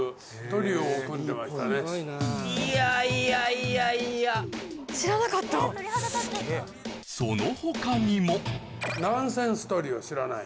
いやいやいやいや知らなかった知らない？